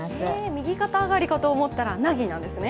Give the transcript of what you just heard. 右肩上がりかと思ったら凪なんですね。